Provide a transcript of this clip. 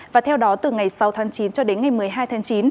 và theo đó từ ngày sáu tháng chín cho đến ngày một mươi hai tháng chín